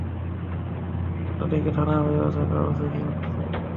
সন্ধ্যা সাতটার দিকে থানা হেফাজতে থাকা অবস্থায় তিনি অসুস্থ হয়ে পড়েন।